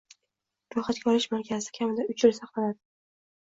ro‘yxatga olish markazida kamida uch yil saqlanadi.